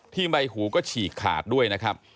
ใบหูก็ฉีกขาดด้วยนะครับ